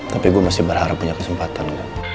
tapi gue masih berharap punya kesempatan